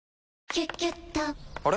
「キュキュット」から！